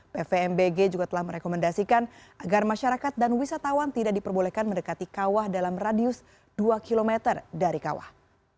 pvmbg juga telah merekomendasikan agar masyarakat dan wisatawan tidak diperbolehkan mendekati kawah dalam radius dua km dari kawah